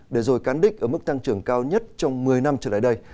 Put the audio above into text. để rồi cán đích ở mức tăng trưởng cao nhất trong một mươi năm trở lại đây